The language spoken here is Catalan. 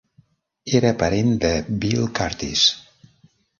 Era parent de Bill Kurtis.